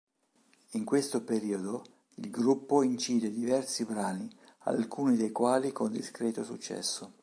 In questo periodo il gruppo incide diversi brani alcuni dei quali con discreto successo.